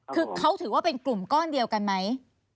คือเขาถือว่าเป็นกลุ่มก้อนเดียวกันไหม